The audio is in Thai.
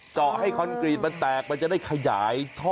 เจาะให้คอนกรีตมันแตกมันจะได้ขยายท่อ